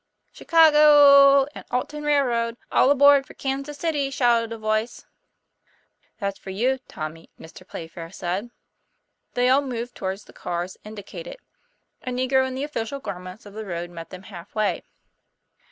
"Chicago ooo and Alton Railroad; all aboard for Kansas City!" shouted a voice. "That's for you, Tommy," Mr. Playfair said. They all moved towards the cars indicated. A negro in the official garments of the road met them half way.